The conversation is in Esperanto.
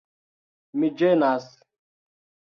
Mi ĝenas.